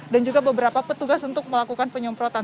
dan juga beberapa petugas untuk melakukan penyemprotan